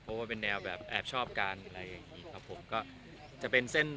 ของเราจะเป็นน่ารักกุ๊กกิ๊กใสเนาะ